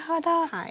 はい。